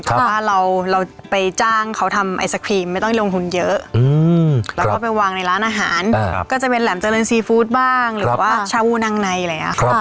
เพราะว่าเราไปจ้างเขาทำไอศครีมไม่ต้องลงทุนเยอะแล้วก็ไปวางในร้านอาหารก็จะเป็นแหลมเจริญซีฟู้ดบ้างหรือว่าชาวูนังในอะไรอย่างนี้ค่ะ